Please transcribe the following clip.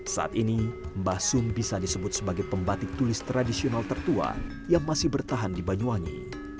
saat ini mbah sum bisa disebut sebagai pembatik tulis tradisional tertua yang masih bertahan di banyuwangi